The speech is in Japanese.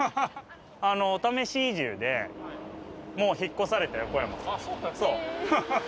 お試し移住で、もう引っ越された横山さん。